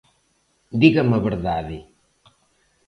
Dígame a verdade...